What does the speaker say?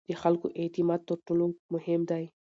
د خلکو اعتماد تر ټولو مهم دی